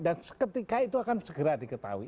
seketika itu akan segera diketahui